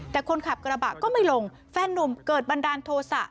แต่คนขับกระบะก็ไม่ลงแฟนนุ่มเกิดบันดาลโทษะ